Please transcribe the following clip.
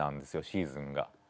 シーズンが。